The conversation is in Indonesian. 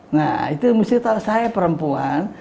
nah itu mesti tahu saya perempuan